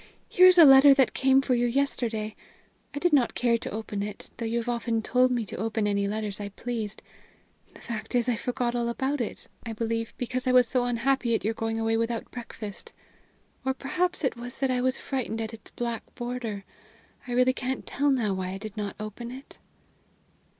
Here is a letter that came for you yesterday. I did not care to open it, though you have often told me to open any letters I pleased. The fact is, I forgot all about it; I believe, because I was so unhappy at your going away without breakfast. Or perhaps it was that I was frightened at its black border. I really can't tell now why I did not open it."